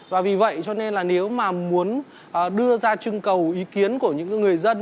và vì vậy cho nên là nếu mà muốn đưa ra trưng cầu ý kiến của những người dân